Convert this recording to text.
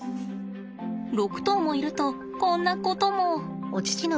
６頭もいるとこんなことも。